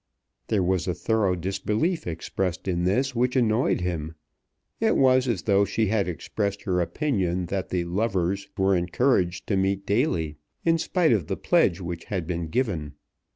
There was a thorough disbelief expressed in this which annoyed him. It was as though she had expressed her opinion that the lovers were encouraged to meet daily in spite of the pledge which had been given.